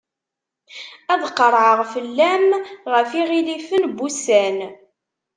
Ad qerɛeɣ fell-am, ɣef yiɣilifen n wussan.